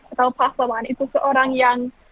atau pahlawan itu seorang yang